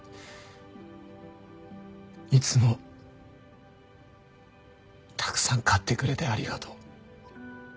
いつもたくさん買ってくれてありがとう。